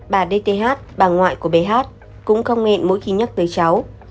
bà d t h bà ngoại của bé hát cũng không ngẹn mỗi khi nhắc tới cháu